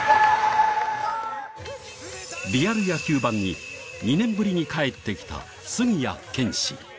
リアル野球 ＢＡＮ に２年ぶりに帰ってきた杉谷拳士